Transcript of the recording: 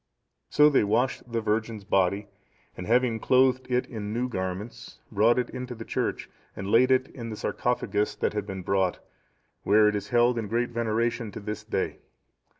So they washed the virgin's body, and having clothed it in new garments, brought it into the church, and laid it in the sarcophagus that had been brought, where it is held in great veneration to this day.